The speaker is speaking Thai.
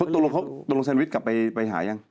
ตัวลงแซนวิทย์กลับไปหายัง